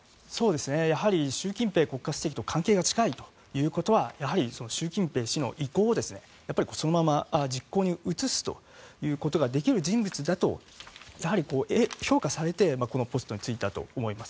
やはり習近平国家主席と関係が近いということは習近平氏の意向をそのまま実行に移すということができる人物だと評価されてこのポストに就いたと思います。